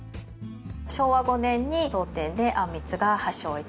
昭和５年に当店であんみつが発祥致しました。